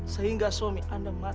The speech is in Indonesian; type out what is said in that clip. sehingga suami anda mati